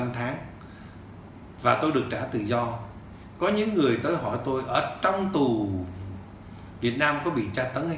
năm tháng và tôi được trả tự do có những người tới hỏi tôi ở trong tù việt nam có bị tra tấn hay